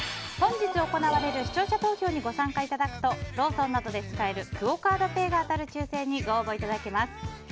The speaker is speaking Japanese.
本日行われる視聴者投票にご参加いただくとローソンなどで使えるクオ・カードペイが当たる抽選にご応募いただけます。